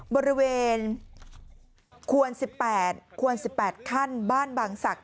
บริเวณควร๑๘ขั้นบ้านบางศักดิ์